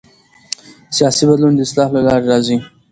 سیاسي بدلون د اصلاح له لارې راځي